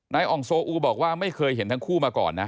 อ่องโซอูบอกว่าไม่เคยเห็นทั้งคู่มาก่อนนะ